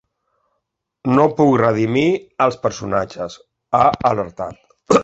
“No puc redimir els personatges”, ha alertat.